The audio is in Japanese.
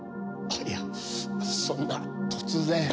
いやそんな突然。